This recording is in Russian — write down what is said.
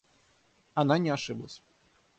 Она не ошиблась.